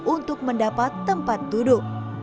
untuk mendapat tempat duduk